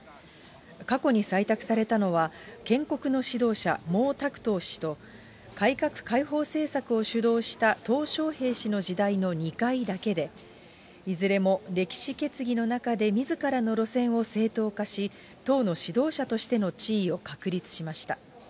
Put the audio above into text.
過去に採択されたのは、建国の指導者、毛沢東氏と、改革開放政策を主導したとう小平氏の時代の２回だけで、いずれも歴史決議の中でみずからの路線を正当化し、党の指導者としての地位を確立しました。